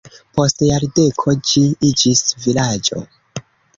Post jardeko ĝi iĝis vilaĝo.